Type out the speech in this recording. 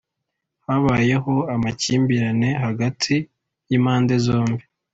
habayeho amakimbirane hagati y’impande zombi